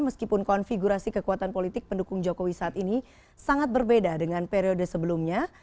meskipun konfigurasi kekuatan politik pendukung jokowi saat ini sangat berbeda dengan periode sebelumnya